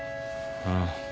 ああ。